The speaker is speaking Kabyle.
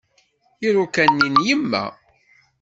Iruka-nni n yemma.